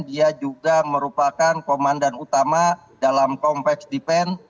dia juga merupakan komandan utama dalam complex defense